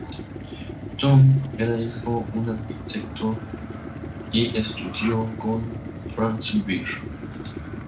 Thumb era hijo un arquitecto y estudió con Franz Beer.